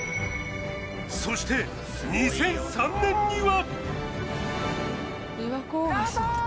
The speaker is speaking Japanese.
そして２００３年には！